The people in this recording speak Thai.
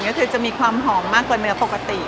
ก็คือจะมีความหอมมากกว่าเนื้อปกติ